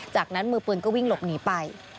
จากนั้นมือปืนก็วิ่งหลบหนีไป